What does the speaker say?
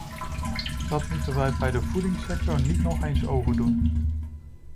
Dat moeten wij bij de voedingssector niet nog eens overdoen.